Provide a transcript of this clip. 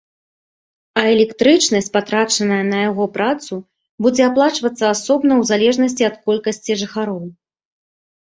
А электрычнасць, патрачаная на яго працу, будзе аплачвацца асобна ў залежнасці ад колькасці жыхароў.